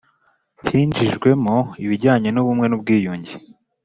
hinjizwemo ibijyanye n'ubumwe n'ubwiyunge.